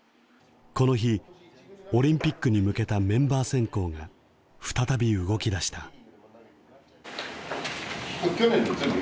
この日オリンピックに向けたメンバー選考が再び動きだした。